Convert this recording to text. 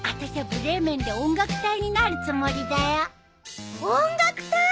ブレーメンで音楽隊になるつもりだよ。音楽隊！？